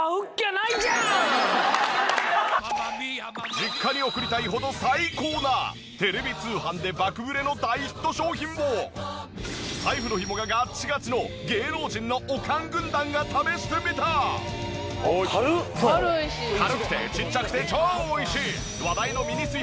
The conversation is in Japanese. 実家に送りたいほど最高なテレビ通販で爆売れの大ヒット商品を財布のひもがガッチガチの軽くてちっちゃくて超美味しい！